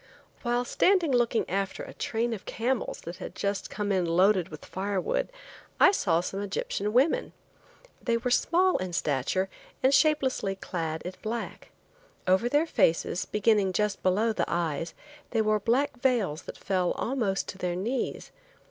While standing looking after a train of camels that had just come in loaded with firewood I saw some Egyptian women. They were small in stature and shapelessly clad in black. Over their faces, beginning just below the eyes, they wore black veils that fell almost to their knees.